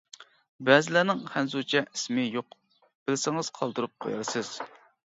بەزىلىرىنىڭ خەنزۇچە ئىسمى يوق بىلسىڭىز قالدۇرۇپ قۇيارسىز.